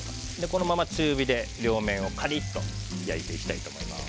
このまま中火で両面をカリッと焼いていきたいと思います。